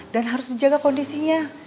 dan harus dijaga kondisinya